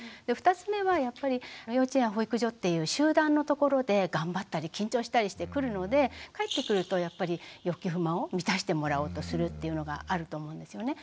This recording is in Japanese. ２つ目はやっぱり幼稚園保育所っていう集団の所で頑張ったり緊張したりしてくるので帰ってくるとやっぱり欲求不満を満たしてもらおうとするっていうのがあると思うんですよね。